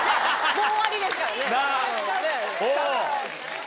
もう終わりですからね。